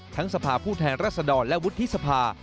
ทั้งสภาพูดแทนราษฎรและวุฒิสภา